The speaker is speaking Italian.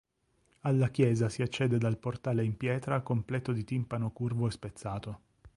Alla chiesa si accede dal portale in pietra completo di timpano curvo e spezzato.